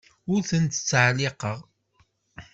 Ur tent-ttɛelliqeɣ.